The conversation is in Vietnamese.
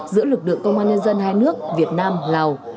giữa lực lượng công an nhân dân hai nước việt nam lào